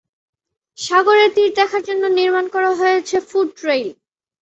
সাগরের তীর দেখার জন্য নির্মাণ করা হয়েছে ফুট ট্রেইল।